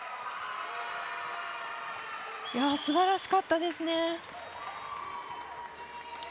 すばらしかったですね。